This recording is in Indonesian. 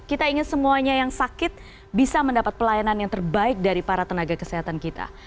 kita ingin semuanya yang sakit bisa mendapat pelayanan yang terbaik dari para tenaga kesehatan kita